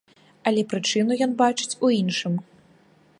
Але прычыну ён бачыць у іншым.